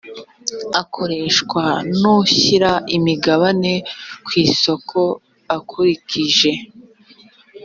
akoreshwa n ushyira imigabane ku isoko akurikije